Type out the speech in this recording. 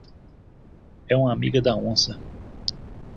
É uma amiga da onça